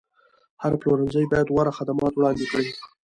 هر پلورنځی باید غوره خدمات وړاندې کړي.